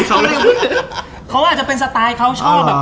เพราะอ่าจะเป็นสไตล์เขาชอบ